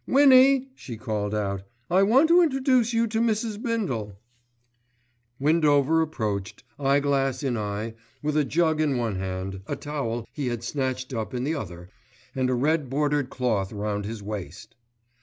Winnie," she called out, "I want to introduce you to Mrs. Bindle." Windover approached, eyeglass in eye, with a jug in one hand, a towel he had snatched up in the other, and a red bordered cloth round his waist.